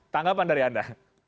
tanggapan dari anda